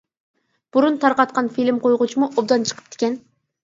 بۇرۇن تارقاتقان فىلىم قويغۇچمۇ ئوبدان چىقىپتىكەن.